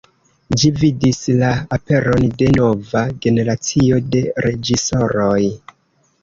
Ĝi vidis la aperon de nova generacio de reĝisoroj.